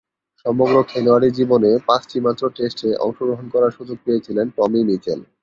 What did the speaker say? সমগ্র খেলোয়াড়ী জীবনে পাঁচটিমাত্র টেস্টে অংশগ্রহণ করার সুযোগ পেয়েছিলেন টমি মিচেল।